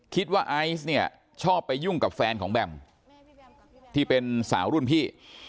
ไอซ์เนี่ยชอบไปยุ่งกับแฟนของแบมที่เป็นสาวรุ่นพี่